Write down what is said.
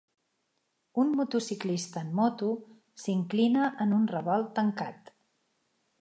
Un motociclista en moto s'inclina en un revolt tancat.